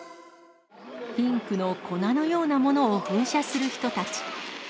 ピンクの粉のようなものを噴射する人たち。